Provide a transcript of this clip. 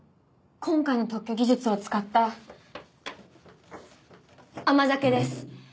今回の特許技術を使った甘酒です。